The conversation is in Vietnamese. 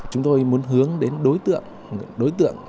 chúng tôi muốn hướng đến đối tượng